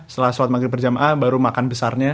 setelah sholat maghrib berjamaah baru makan besarnya